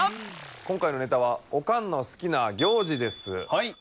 今回のネタは「オカンの好きな行事」です